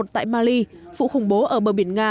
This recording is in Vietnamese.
tại mali vụ khủng bố ở bờ biển nga